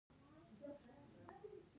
که نې منې ورسه له حاجي مولوي څخه پوښتنه وکه.